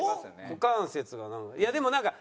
股関節がなんか。